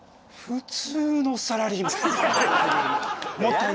普通のサラリーマン！